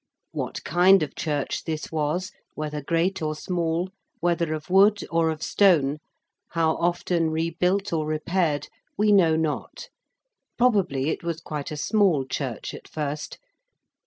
What kind of church this was whether great or small whether of wood or of stone how often rebuilt or repaired we know not. Probably it was quite a small church at first.